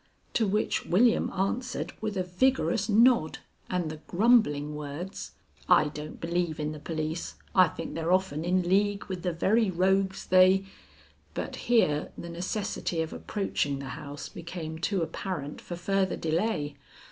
To which William answered with a vigorous nod and the grumbling words: "I don't believe in the police. I think they're often in league with the very rogues they " But here the necessity of approaching the house became too apparent for further delay.